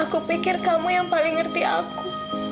aku pikir kamu yang paling ngerti aku